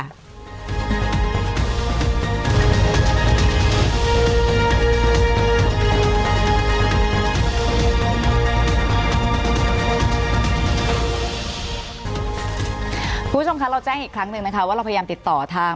คุณผู้ชมคะเราแจ้งอีกครั้งหนึ่งนะคะว่าเราพยายามติดต่อทาง